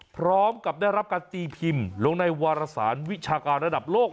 พร้อมกับได้รับการตีพิมพ์ลงในวารสารวิชาการระดับโลก